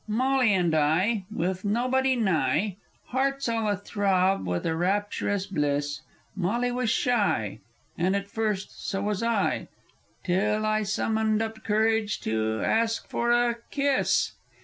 _) "Molly and I. With nobody nigh. Hearts all a throb with a rapturous bliss, Molly was shy. And (at first) so was I, Till I summoned up courage to ask for a kiss!"